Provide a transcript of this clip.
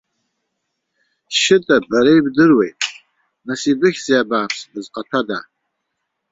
Шьыта, бара ибдыруеите, нас ибыхьзеи абааԥсы, бызҟаҭәада.